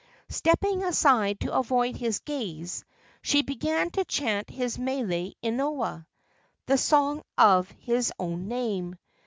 Stepping aside to avoid his gaze, she began to chant his mele inoa the song of his own name.